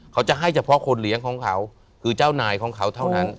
เขาจะให้เฉพาะคนเลี้ยงของเขาคือเจ้านายของเขาเท่านั้น